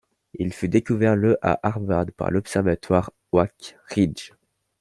Il fut découvert le à Harvard par l'Observatoire Oak Ridge.